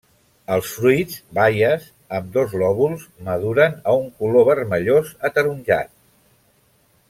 Els fruits, baies, amb dos lòbuls, maduren a un color vermellós ataronjat.